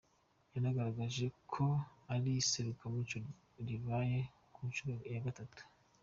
Yanagaragaje ko iri serukiramuco rubaye ku nshuro ya gatatu.